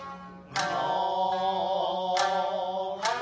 はい。